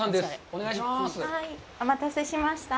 お待たせしました。